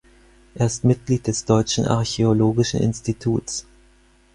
Er ist Mitglied des Deutschen Archäologischen Instituts.